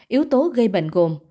yếu tố gây bệnh gồm